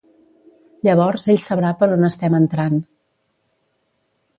Llavors ell sabrà per on estem entrant.